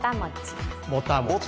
ぼたもち。